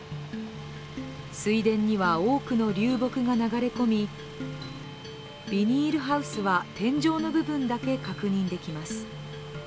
水田には多くの流木が流れ込みビニールハウスは、天井の部分だけ確認できます。